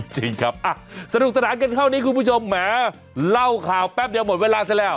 จริงครับสนุกสนานกันเท่านี้คุณผู้ชมแหมเล่าข่าวแป๊บเดียวหมดเวลาซะแล้ว